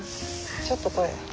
ちょっとこれ。